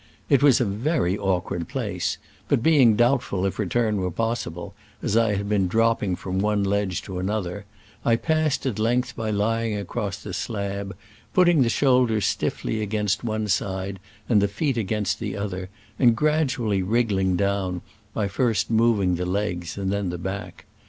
It was a very awkward place, but being doubtful if return were possible, as I had been dropping from one ledge to another, I passed at length by lying across the slab, putting the shoulder stiffly against one side and the feet against the other, and gradually wriggling down, by first moving the legs and then the back.